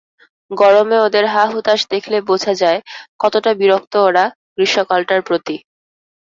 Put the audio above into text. গরমে ওদের হা-হুতাশ দেখলে বোঝা যায় কতটা বিরক্ত ওরা গ্রীষ্মকালটার প্রতি।